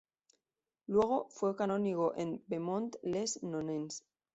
Luego, fue canónigo en Beaumont-les-Nonains.